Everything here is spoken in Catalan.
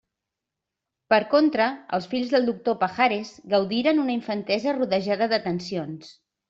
Per contra, els fills del doctor Pajares gaudiren una infantesa rodejada d'atencions.